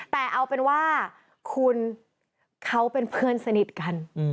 แต่เอาเป็นว่าคุณเขาเป็นเพื่อนสนิทกัน